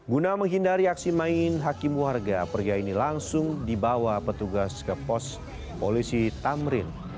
guna menghindari aksi main hakim warga pria ini langsung dibawa petugas ke pos polisi tamrin